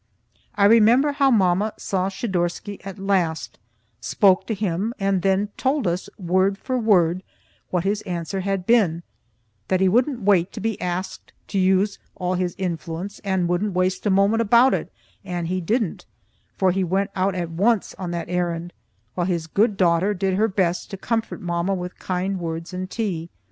I remember how mamma saw Schidorsky at last, spoke to him, and then told us, word for word, what his answer had been; that he wouldn't wait to be asked to use all his influence, and wouldn't lose a moment about it, and he didn't, for he went out at once on that errand, while his good daughter did her best to comfort mamma with kind words and tea.